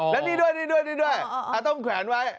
แล้วนี่ด้วยนี่ด้วยนี่ด้วยต้องแขวนไว้